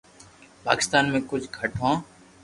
پاڪستان مي ڪجھ گھٽ ھون